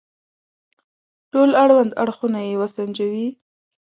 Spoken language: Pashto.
ټول اړوند اړخونه يې وسنجوي.